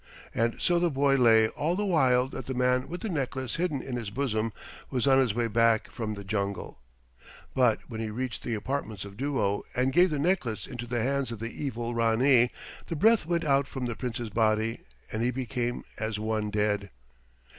And so the boy lay all the while that the man with the necklace hidden in his bosom was on his way back from the jungle. But when he reached the apartments of Duo and gave the necklace into the hands of the evil Ranee, the breath went out from the Prince's body, and he became as one dead.